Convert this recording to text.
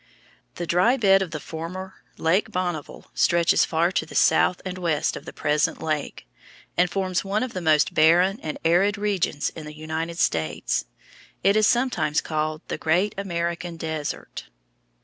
The dry bed of the former Lake Bonneville stretches far to the south and west of the present lake, and forms one of the most barren and arid regions in the United States. It is sometimes called the Great American Desert.